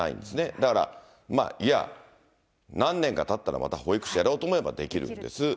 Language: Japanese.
だから、何年かたったら、また保育士やろうと思えばできるんです。